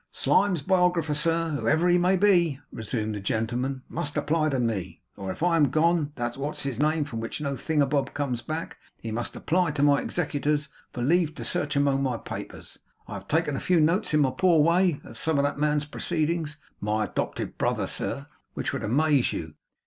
'Slyme's biographer, sir, whoever he may be,' resumed the gentleman, 'must apply to me; or, if I am gone to that what's his name from which no thingumbob comes back, he must apply to my executors for leave to search among my papers. I have taken a few notes in my poor way, of some of that man's proceedings my adopted brother, sir, which would amaze you.